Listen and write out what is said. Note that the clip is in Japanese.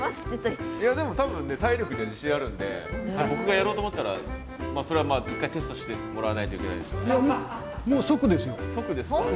いやでも多分ね体力には自信あるんで僕がやろうと思ったらそれはまあ一回テストしてもらわないといけないですよね。